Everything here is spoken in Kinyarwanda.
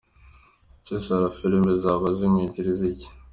Ese Sarah filime zaba zimwinjiriza iki?.